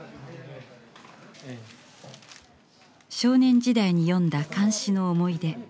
少年時代に読んだ漢詩の思い出